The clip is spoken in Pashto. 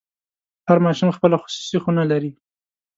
هر ماشوم خپله خصوصي خونه لري.